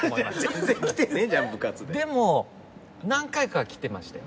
でも何回かは来てましたよ。